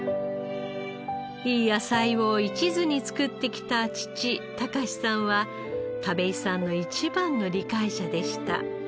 いい野菜を一途に作ってきた父卓さんは田部井さんの一番の理解者でした。